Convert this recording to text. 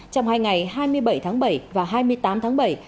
trong hai ngày hai mươi bảy tháng bảy và hai mươi tám tháng bảy